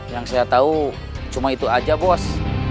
yang saya tahu cuma itu aja bos